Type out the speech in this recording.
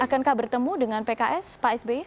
akankah bertemu dengan pks pak sby